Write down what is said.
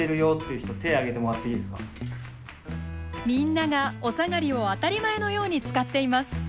みんながおさがりを当たり前のように使っています。